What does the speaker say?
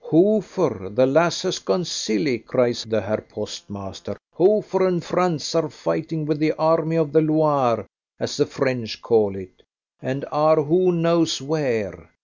"Hofer! the lass has gone silly!" cries the Herr postmaster. "Hofer and Franz are fighting with the army of the Loire, as the French call it, and are who knows where.